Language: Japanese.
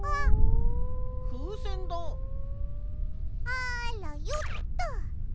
あらよっと！